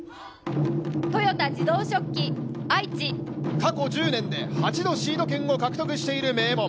過去１０年で８度シード権を獲得している名門。